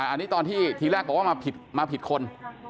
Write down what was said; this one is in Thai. อันนี้ตอนที่ทีแรกบอกว่ามาผิดคน